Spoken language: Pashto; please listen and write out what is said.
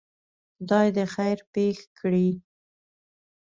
خدای دی خیر پېښ کړي.